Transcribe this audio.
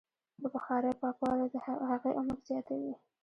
د بخارۍ پاکوالی د هغې عمر زیاتوي.